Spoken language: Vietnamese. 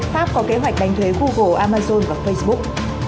pháp có kế hoạch đánh thuế google amazon và facebook